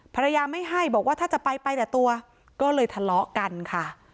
ภรรยาไม่ให้บอกว่าถ้าจะไปไปแต่ตัวก็เลยทะเลาะกันค่ะ